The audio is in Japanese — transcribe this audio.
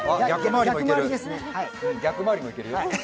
わ、逆回りも行けるよ。